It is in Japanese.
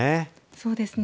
そうですね。